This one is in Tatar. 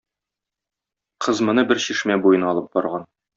Кыз моны бер чишмә буена алып барган.